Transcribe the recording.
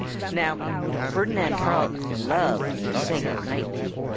Now, Ferdinand Frog loved to sing at night.